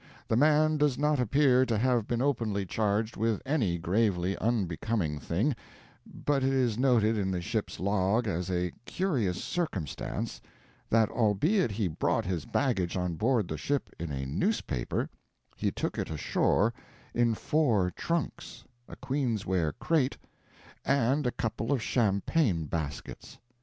The man does not appear to have been openly charged with any gravely unbecoming thing, but it is noted in the ship's log as a "curious circumstance" that albeit he brought his baggage on board the ship in a newspaper, he took it ashore in four trunks, a queensware crate, and a couple of champagne baskets.